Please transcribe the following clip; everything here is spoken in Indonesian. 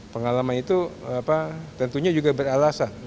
pengalaman itu tentunya juga beralasan